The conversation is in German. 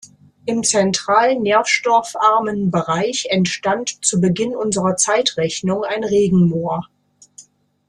Im zentralen nährstoffarmen Bereich entstand zu Beginn unserer Zeitrechnung ein Regenmoor.